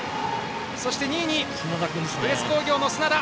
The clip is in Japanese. ２位にプレス工業の砂田。